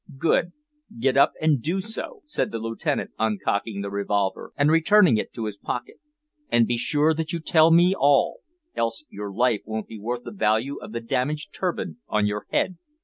"Good, get up and do so," said the Lieutenant, uncocking the revolver, and returning it to his pocket; "and be sure that you tell me all, else your life won't be worth the value of the damaged turban on your head."